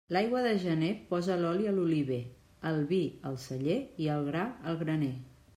L'aigua de gener posa l'oli a l'oliver, el vi al celler i el gra al graner.